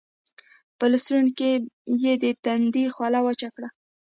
پۀ لستوڼي يې د تندي خوله وچه کړه